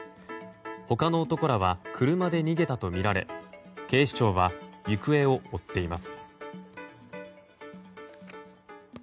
他の男らは車で逃げたとみられ警視庁は行方を追っています。